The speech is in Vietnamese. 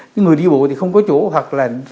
những người đi bộ thì không có chỗ hoặc là